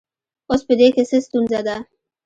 اوس په دې کې څه ستونزه ده